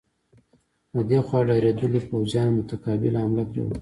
له دې خوا ډارېدلو پوځیانو متقابله حمله پرې وکړه.